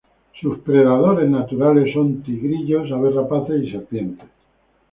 Sus predadores naturales son tigrillos, aves rapaces y serpientes.